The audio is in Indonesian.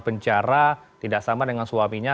penjara tidak sama dengan suaminya